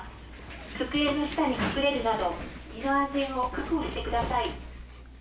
机の下に隠れるなど身の安全を確保してください。